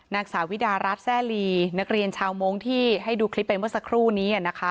นักศาวิดาราชแซลีนักเรียนชาวโมงที่ให้ดูคลิปเป็นเมื่อสักครู่นี้